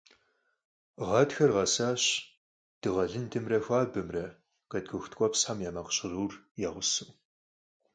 Гъатхэр къэсащ дыгъэ лыдымрэ хуабэмрэ, къеткӀух ткӀуэпсхэм я макъ жьгъырур я гъусэу.